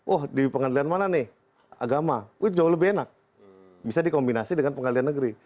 oh di pengadilan mana nih agama jauh lebih enak bisa dikombinasi dengan pengadilan negeri